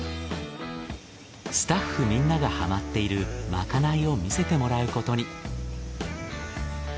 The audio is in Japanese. スタッフみんながハマっているまかないを見せてもらうことに。